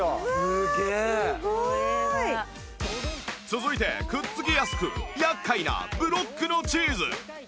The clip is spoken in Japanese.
続いてくっつきやすく厄介なブロックのチーズ